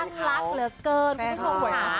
รักเหลือเกินคุณผู้ชมค่ะ